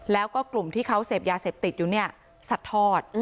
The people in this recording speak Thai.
แล้วก็กลุ่มที่เขาเสพยาเสพติดอยู่เนี่ยสัดทอด